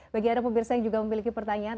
bagi anda pemirsa yang juga memiliki pertanyaan